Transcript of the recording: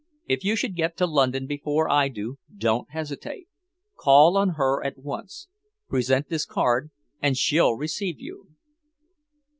If you should get to London before I do, don't hesitate. Call on her at once. Present this card, and she'll receive you."